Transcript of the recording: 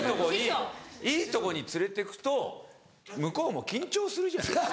・いいとこに連れてくと向こうも緊張するじゃないですか。